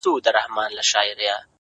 روح مي نو څه وخت مهربانه په کرم نیسې ـ